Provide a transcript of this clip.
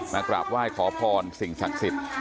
กราบไหว้ขอพรสิ่งศักดิ์สิทธิ์